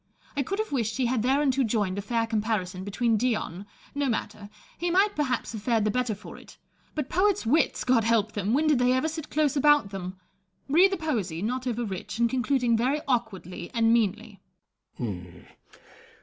I could have wished he had thereunto joined a fair comparison between Dian — no matter — he might perhaps have fared the better for it ; but poets' wits, — God help them !— when did they ever sit close about them? Read the poesy, not over rich, and concluding very awkwardly and meanly.